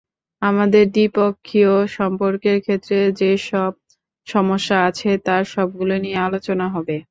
আমাদের দ্বিপক্ষীয় সম্পর্কের ক্ষেত্রে যেসব সমস্যা আছে, তার সবগুলো নিয়ে আলোচনা হবে।